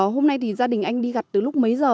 hôm nay thì gia đình anh đi gặt từ lúc mấy giờ